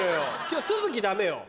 今日都築ダメよ。